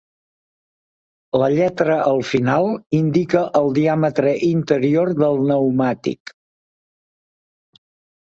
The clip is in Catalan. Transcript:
La lletra al final indica el diàmetre interior del pneumàtic.